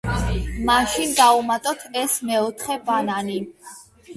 მაშინ, დავუმატოთ ეს მეოთხე ბანანი.